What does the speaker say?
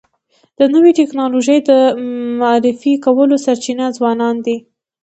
د نوې ټکنالوژی د معرفي کولو سرچینه ځوانان دي.